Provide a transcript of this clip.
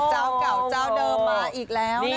เจ้าเก่าเจ้าเดิมมาอีกแล้ว